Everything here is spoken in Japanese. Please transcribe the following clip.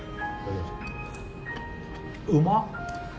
うまっ。